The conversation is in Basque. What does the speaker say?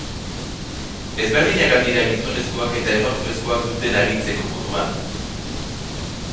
Ezberdinak al dira gizonezkoak eta emakumezkoak duten agintzeko modua?